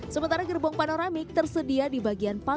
sementara gerbong panoramik tersedia